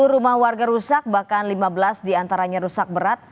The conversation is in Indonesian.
sepuluh rumah warga rusak bahkan lima belas diantaranya rusak berat